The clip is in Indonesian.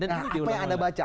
apa yang anda baca